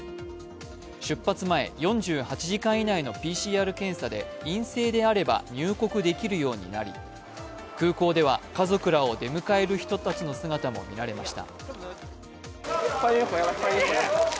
出発前４８時間以内のＰＣＲ検査で陰性であれば入国できるようになり空港では家族らを出迎える人たちの姿も見られました。